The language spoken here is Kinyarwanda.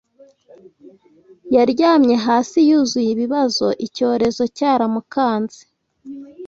Yaryamye hasi yuzuye ibibazo icyorezo cyaramukanze